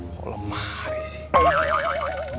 kok lemari sih